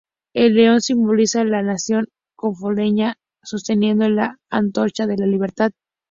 El león simboliza la nación congoleña, sosteniendo la antorcha de la libertad.